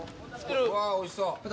うわおいしそう！